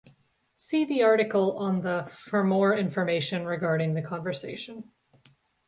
See the article on the for more information regarding the conversion.